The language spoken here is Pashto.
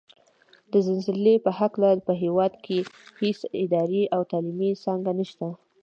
د زلزلې په هکله په هېواد کې هېڅ اداره او تعلیمي څانګه نشته ده